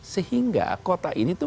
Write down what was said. sehingga kota ini tuh